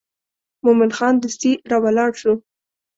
مومن خان دستي راولاړ شو.